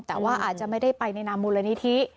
แต่ว่าอาจจะไม่ได้ไปในนามมูลนิธิ